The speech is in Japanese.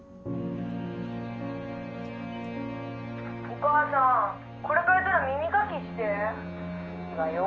「お母さんこれ替えたら耳かきして」「いいわよ」